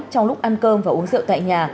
trong lúc ăn cơm và uống rượu tại nhà